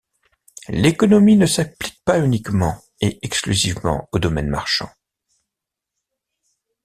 L'économie ne s'applique pas uniquement et exclusivement au domaine marchand.